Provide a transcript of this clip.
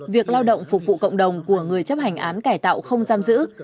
việc lao động phục vụ cộng đồng của người chấp hành án cải tạo không giam giữ